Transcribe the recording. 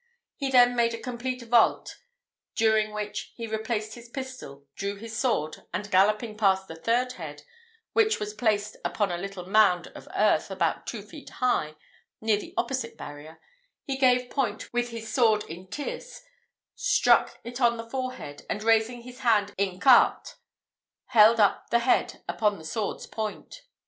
He then made a complete volte, during which he replaced his pistol, drew his sword, and, galloping past the third head, which was placed upon a little mound of earth about two feet high, near the opposite barrier, he gave point with his sword in tierce, struck it on the forehead, and raising his hand in quarte, held up the head upon his sword's point.